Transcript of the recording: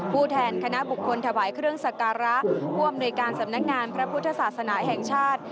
ผู้แทนคณะบุคคลถวายเครื่องสักการะผู้อำนวยการสำนักงานพระพุทธศาสนาแห่งชาติ